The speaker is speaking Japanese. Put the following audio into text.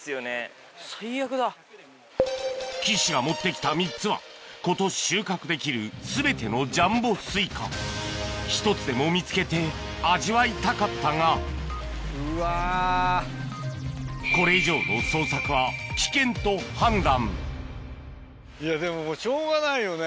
岸が持ってきた３つは今年収穫できる全てのジャンボスイカ１つでも見つけて味わいたかったがこれ以上の捜索は危険と判断